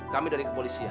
kami dari kepolisian